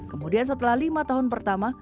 kemudian setelah lima tahun pertama